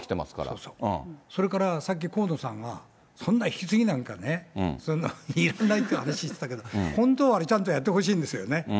そうそう、それからさっき河野さんが、そんな引き継ぎなんかね、そんなのいらないって話してたけど、本当はあれちゃんとやってほしいんですよね。